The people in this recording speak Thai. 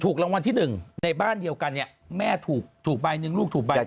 รางวัลที่๑ในบ้านเดียวกันเนี่ยแม่ถูกใบหนึ่งลูกถูกใบหนึ่ง